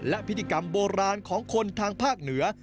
และพิธีกรรมโบราณของคนทางภาคเหนือ